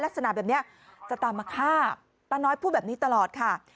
ลักษณะแบบนี้จะตามมาฆ่าตาน้อยพูดแบบนี้ตลอดค่ะ